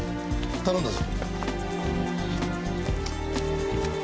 頼んだぞ。